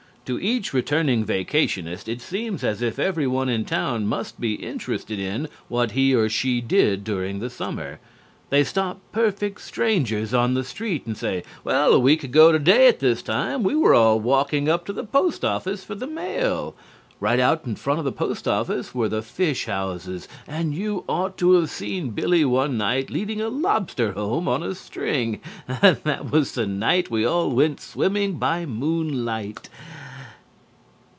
To each returning vacationist it seems as if everyone in town must be interested in what he or she did during the summer. They stop perfect strangers on the streets and say: "Well, a week ago today at this time we were all walking up to the Post Office for the mail. Right out in front of the Post Office were the fish houses and you ought to have seen Billy one night leading a lobster home on a string. That was the night we all went swimming by moon light."